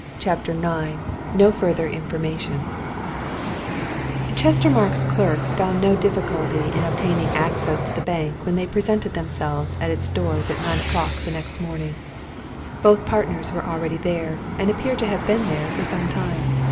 CHAPTER IX NO FURTHER INFORMATION Chestermarke's clerks found no difficulty in obtaining access to the bank when they presented themselves at its doors at nine o'clock next morning. Both partners were already there, and appeared to have been there for some time.